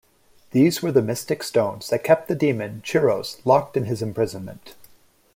These were the mystic stones that kept the demon Chiros locked in his imprisonment.